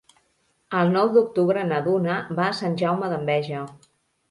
El nou d'octubre na Duna va a Sant Jaume d'Enveja.